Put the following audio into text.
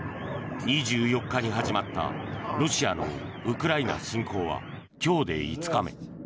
２４日に始まったロシアのウクライナ侵攻は今日で５日目。